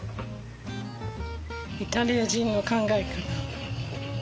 イタリア人の考えかな？